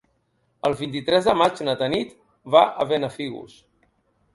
El vint-i-tres de maig na Tanit va a Benafigos.